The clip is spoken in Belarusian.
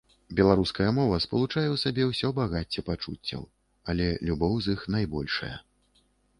Беларуская мова спалучае ў сабе ўсё багацце пачуццяў, але любоў з іх найбольшая.